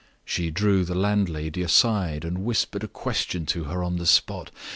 She drew the landlady aside, and whispered a question to her on the spot.